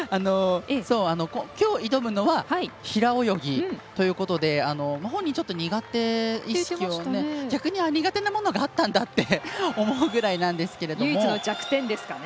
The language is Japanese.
きょう、挑むのは平泳ぎということで本人、ちょっと苦手意識を逆に苦手なものがあったんだって思うぐらいなんですけれども。